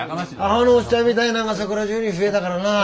アホのおっちゃんみたいなんがそこら中に増えたからな。